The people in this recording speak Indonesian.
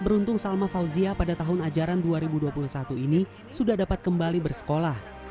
beruntung salma fauzia pada tahun ajaran dua ribu dua puluh satu ini sudah dapat kembali bersekolah